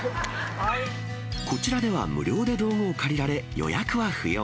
こちらでは、無料で道具を借りられ、予約は不要。